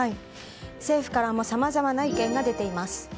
政府からもさまざまな意見が出ています。